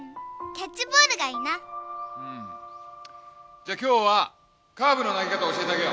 じゃ今日はカーブの投げ方教えてあげよう